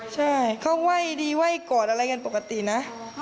ใช่เขาไหว้ดีไหว้กอดอะไรกันปกตินะ